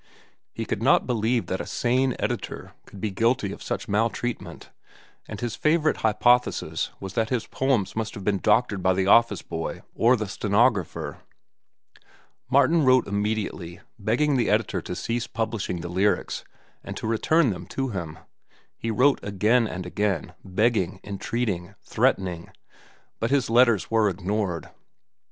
He could not believe that a sane editor could be guilty of such maltreatment, and his favorite hypothesis was that his poems must have been doctored by the office boy or the stenographer. Martin wrote immediately, begging the editor to cease publishing the lyrics and to return them to him. He wrote again and again, begging, entreating, threatening, but his letters were ignored.